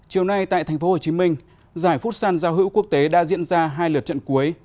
chiều nay tại tp hcm giải phút săn giao hữu quốc tế đã diễn ra hai lượt trận cuối